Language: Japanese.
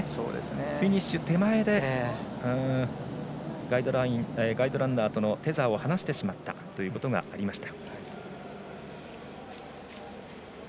フィニッシュ手前でガイドランナーとのテザーを放してしまったことがありました。